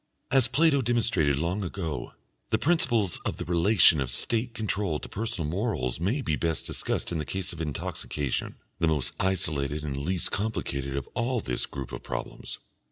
As Plato demonstrated long ago, the principles of the relation of State control to personal morals may be best discussed in the case of intoxication, the most isolated and least complicated of all this group of problems.